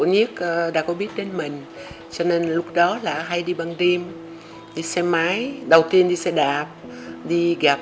nhiếc đã có biết đến mình cho nên lúc đó là hay đi băng đêm đi xe máy đầu tiên đi xe đạp đi gặp